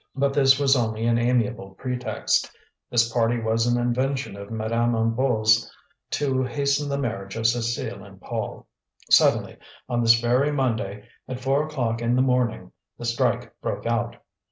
But this was only an amiable pretext; this party was an invention of Madame Hennebeau's to hasten the marriage of Cécile and Paul. Suddenly, on this very Monday, at four o'clock in the morning, the strike broke out.